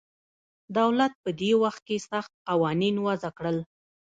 دولت په دې وخت کې سخت قوانین وضع کړل